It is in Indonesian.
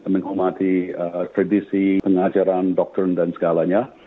menghormati tradisi pengajaran doktrin dan segalanya